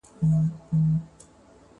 د ماشینانو راتګ د نارینه جسماني